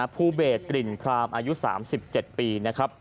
ผู้เบดกลิ่นพรามอายุ๓๗ปี